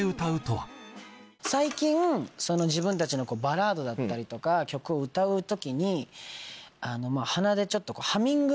最近自分たちのバラードだったりとか曲を歌う時に鼻でちょっと。